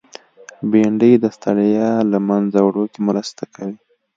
بېنډۍ د ستړیا له منځه وړو کې مرسته کوي